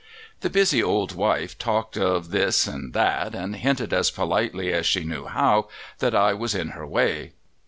The busy old wife talked of this and that, and hinted as politely as she knew how that I was in her way.